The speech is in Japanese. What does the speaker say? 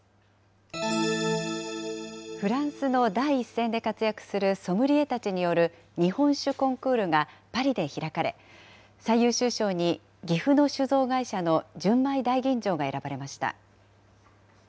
フランスの第一線で活躍するソムリエたちによる日本酒コンクールがパリで開かれ、最優秀賞に岐阜の酒造会社の純米大吟醸が選ばれました。